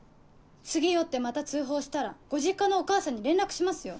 次酔ってまた通報したらご実家のお母さんに連絡しますよ。